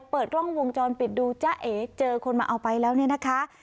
เปิดกล้องวงจรปิดดูจ้าเอ๋เจอคนมาเอาไปแล้วเนี่ยนะคะ